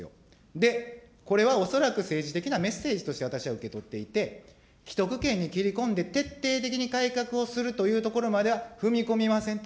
で、これは恐らく政治的なメッセージとして私は受け取っていて、既得権に切り込んで、徹底的に改革をするというところまでは踏み込みませんと。